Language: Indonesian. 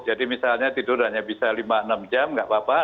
jadi misalnya tidur hanya bisa lima enam jam nggak apa apa